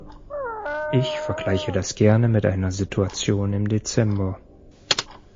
Ich vergleiche das gerne mit einer Situation im Dezember.